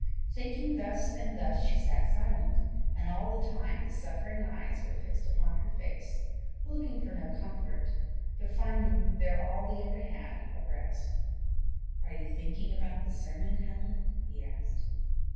Thinking thus and thus she sat silent; and all the time the suffering eyes were fixed upon her face, looking for no comfort, but finding there all they ever had of rest. "Are you thinking about the sermon, Helen?" he asked.